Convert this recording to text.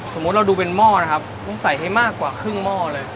สมมุติเราดูเป็นหม้อนะครับต้องใส่ให้มากกว่าครึ่งหม้อเลย